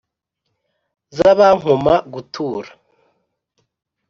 Zabankoma gutura,